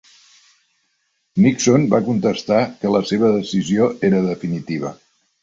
Nixon va contestar que la seva decisió era definitiva.